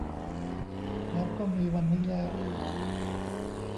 แล้วก็มีวันนี้แล้ว